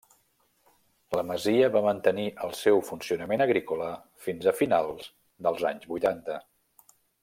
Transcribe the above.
La masia va mantenir el seu funcionament agrícola fins a finals dels anys vuitanta.